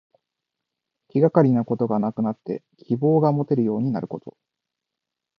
気がかりなことがなくなって希望がもてるようになること。